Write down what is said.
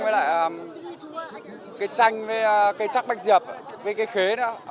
và cái chanh với cây trắc bạch diệp với cây khế đó